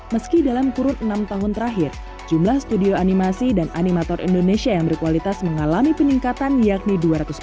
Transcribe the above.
meski dalam kurun enam tahun terakhir jumlah studio animasi dan animator indonesia yang berkualitas mengalami peningkatan yakni dua ratus